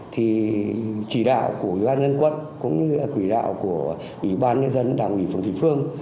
thì chỉ đạo của ủy ban dân quận cũng như quỷ đạo của ủy ban dân đảng ủy phòng thụy phương